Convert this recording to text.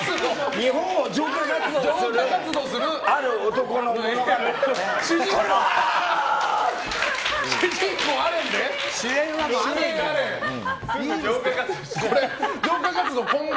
日本を浄化活動するある男の物語。